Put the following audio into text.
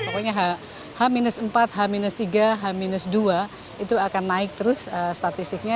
pokoknya h empat h tiga h dua itu akan naik terus statistiknya